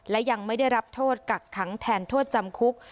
และยังไม่ได้รับโทษกักขังแทนโทษจำคุก